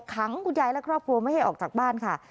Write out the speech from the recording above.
ขังคุณยายและครอบครัวไม่ให้ออกจากบ้านค่ะ